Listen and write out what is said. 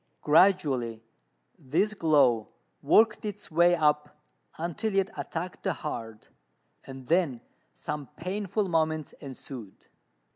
Gradually this glow worked its way up until it attacked the heart, and then some painful moments ensued.